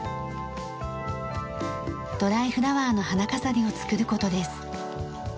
ドライフラワーの花飾りを作る事です。